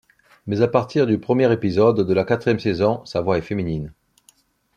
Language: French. Mais à partir du premier épisode de la quatrième saison, sa voix est féminine.